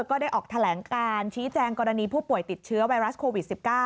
ก็ได้ออกแถลงการชี้แจงกรณีผู้ป่วยติดเชื้อไวรัสโควิด๑๙